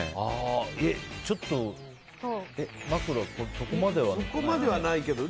ちょっと、枕そこまではないよね？